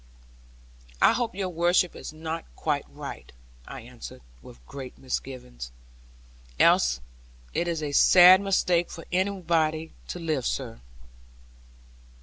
'I hope your worship is not quite right,' I answered, with great misgivings; 'else it is a sad mistake for anybody to live, sir.'